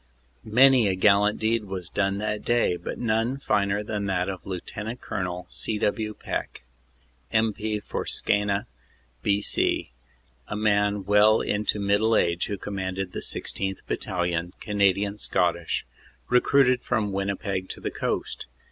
Many a gallant deed was done that day, but none finer than that of Lt. Col. C. W. Peck, M.P. for Skeena, B.C., a man well into middle age who commanded the 16th. Battalion, Canadian Scottish, recruited from Winnipeg to the Coast.